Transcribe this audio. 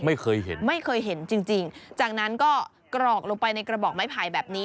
ไม่เคยเห็นไม่เคยเห็นจริงจริงจากนั้นก็กรอกลงไปในกระบอกไม้ไผ่แบบนี้